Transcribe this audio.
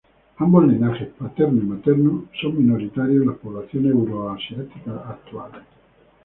Ambos linajes paterno y materno son minoritarios en las poblaciones euroasiáticas actuales.